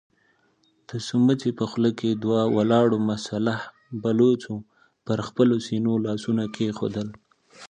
د سمڅې په خوله کې دوو ولاړو مسلح بلوڅو پر خپلو سينو لاسونه کېښودل.